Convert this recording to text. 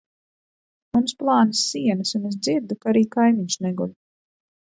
Mums plānas sienas un es dzirdu, ka arī kaimiņš neguļ.